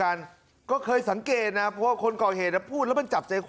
ประสาทแน่เลย